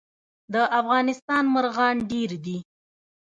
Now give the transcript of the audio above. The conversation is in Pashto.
د افغانستان مرغان ډیر دي